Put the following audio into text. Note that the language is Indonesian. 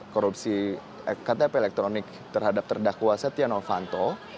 korupsi ktp elektronik terhadap terdakwa setia novanto